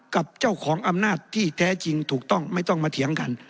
กับเจ้าของอำนาจที่แท้จริงถูกต้องไม่ต้องมาเถียงกัน